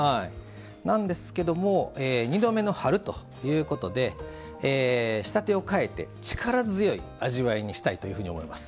なんですけども「２度目の春」ということで仕立てを変えて力強い味わいにしたいというふうに思います。